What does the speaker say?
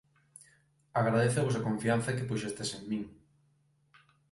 Agradézovos a confianza que puxestes en min.